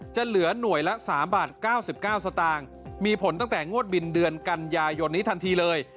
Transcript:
จะเหลือหน่วยละ๓บาท๙๙สตางค์มีผลตั้งแต่งวดบินเดือนกันยายนนี้ทันทีเลย